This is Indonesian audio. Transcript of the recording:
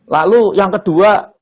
lalu yang kedua